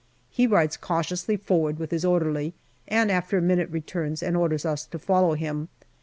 He rides cautiously forward with his orderly, and after a minute returns and orders us to follow him.